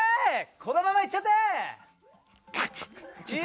「このままイっちゃってー！」。